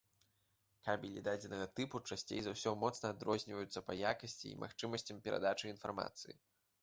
Кабелі дадзенага тыпу часцей за ўсё моцна адрозніваюцца па якасці і магчымасцям перадачы інфармацыі.